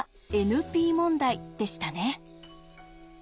ＮＰ問題でしたね。